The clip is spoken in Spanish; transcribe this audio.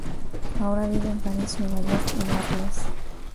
Ahora vive en París, Nueva York y Arles.